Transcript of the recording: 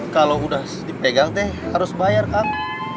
kalo udah dipegang deh harus bayar kang